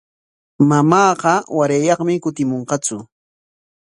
Mamaama warayyaqmi kutimunqatsu.